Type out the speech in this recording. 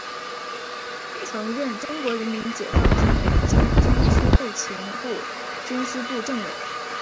曾任中国人民解放军北京军区后勤部军需部政委。